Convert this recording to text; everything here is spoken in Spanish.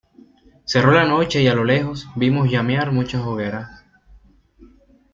cerró la noche y a lo lejos vimos llamear muchas hogueras.